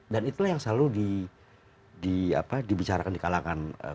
dan itulah yang selalu dibicarakan di kalangan kumis